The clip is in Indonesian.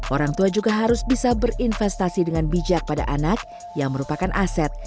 orang tua juga harus bisa berinvestasi dengan bijak pada anak yang merupakan aset